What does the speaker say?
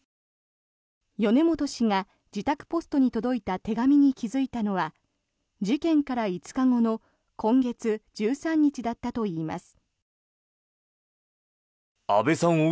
米本氏が自宅ポストに届いた手紙に気付いたのは事件から５日後の今月１３日だったといいます。